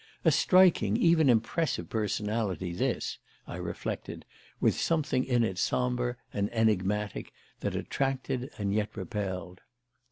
A striking, even impressive, personality this, I reflected, with something in it sombre and enigmatic that attracted and yet repelled.